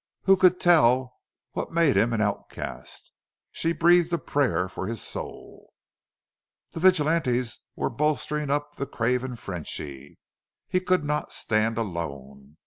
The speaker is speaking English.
Who could tell what had made him an outcast? She breathed a prayer for his soul. The vigilantes were bolstering up the craven Frenchy. He could not stand alone.